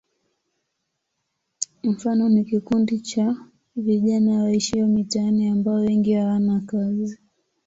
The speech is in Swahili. Mfano ni kikundi cha vijana waishio mitaani ambao wengi hawana kazi.